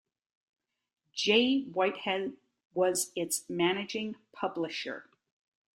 Jay Whitehead was its Managing Publisher.